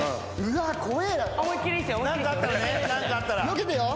よけてよ。